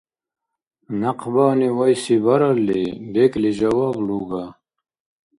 Някъбани вайси баралли, бекӀли жаваб луга.